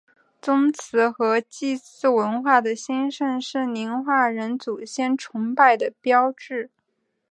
宗祠和祭祀文化的兴盛是宁化人祖先崇拜的标志。